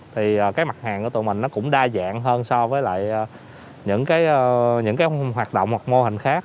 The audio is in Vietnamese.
thì cái mặt hàng của tụi mình nó cũng đa dạng hơn so với lại những cái hoạt động một mô hình khác